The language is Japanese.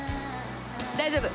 大丈夫。